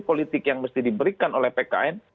politik yang mesti diberikan oleh pkn